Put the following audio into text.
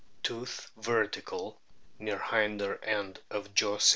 Tooth vertical, near hinder end of jaw symphysis.